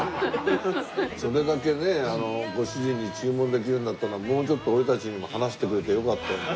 それだけねご主人に注文できるんだったらもうちょっと俺たちにも話してくれてよかったのに。